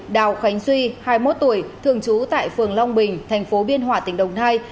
đào khánh duy hai mươi một tuổi thường trú tại phường long bình thành phố biên hòa tỉnh đồng nai